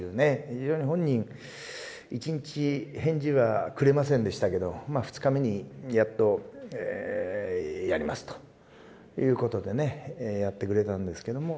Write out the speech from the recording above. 非常に本人１日返事はくれませんでしたけど２日目にやっと「やります」という事でねやってくれたんですけども。